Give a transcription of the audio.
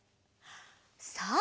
さあ